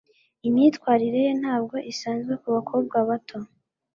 Imyitwarire ye ntabwo isanzwe kubakobwa bato.